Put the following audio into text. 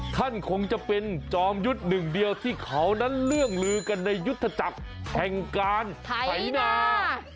ท่านคงจะเป็นจอมยุทธ์หนึ่งเดียวที่เขานั้นเรื่องลือกันในยุทธจักรแห่งการไถนา